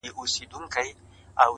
ځوان ناست دی؛